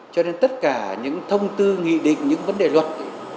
cho nên tất cả những thông tư nghị định những vấn đề luật